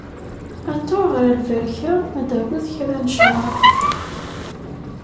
Aṭer ɣer lberka ad d-tawiḍ kra n ccrab.